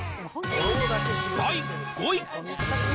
第５位。